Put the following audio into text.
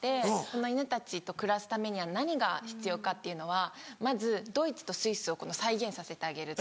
この犬たちと暮らすためには何が必要かっていうのはまずドイツとスイスを再現させてあげる。